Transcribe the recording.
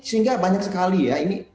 sehingga banyak sekali ya ini